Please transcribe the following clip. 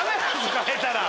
変えたら。